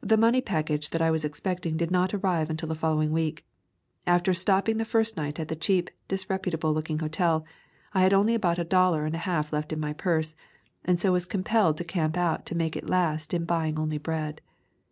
"The money package that I was expecting did not arrive until the following week. After stop ping the first night at the cheap, disreputable looking hotel, I had only about a dollar and a half left in my purse, and so was compelled to camp out to make it last in buying only bread.